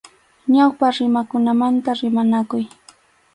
Ñawpa rimaykunamanta rimanakuy.